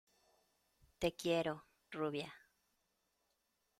te quiero, rubia.